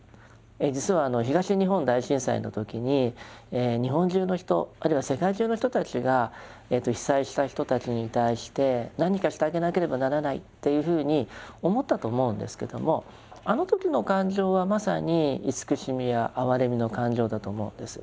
実はあの東日本大震災の時に日本中の人あるいは世界中の人たちが被災した人たちに対して何かしてあげなければならないっていうふうに思ったと思うんですけどもあの時の感情はまさに慈しみや哀れみの感情だと思うんです。